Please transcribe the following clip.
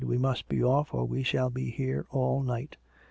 "We must be off, or we shall be here all night."